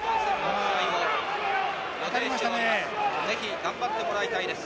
ぜひ頑張ってもらいたいです。